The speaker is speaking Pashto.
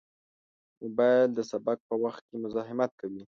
موبایل د سبق په وخت کې مزاحمت کوي.